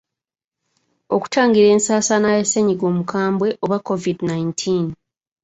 Okutangira ensaasaana ya ssennyiga omukambwe oba Kovidi nineteen.